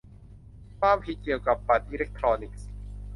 ความผิดเกี่ยวกับบัตรอิเล็กทรอนิกส์